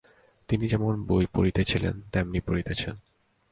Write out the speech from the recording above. তিনি যেমন বই পড়িতেছিলেন, তেমনি পড়িতেছেন।